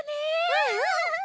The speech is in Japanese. うんうん。